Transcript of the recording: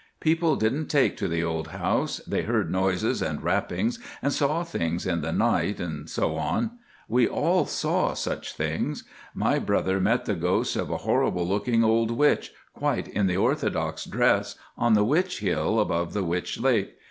People didn't take to the old house; they heard noises and rappings, and saw things in the night, and so on. We all saw things. My brother met the ghost of a horrible looking old witch, quite in the orthodox dress, on the Witch Hill above the Witch Lake.